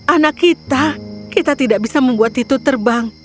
anak kita kita tidak bisa membuat titu terbang